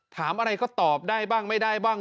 ถามอะไรก็ตอบได้บ้างไม่ได้บ้าง